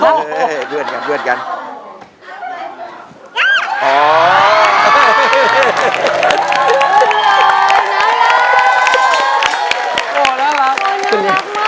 อ๋อน่ารักโอ้น่ารักมากพูด